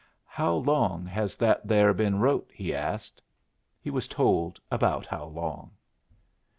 "How long has that there been wrote?" he asked. He was told about how long.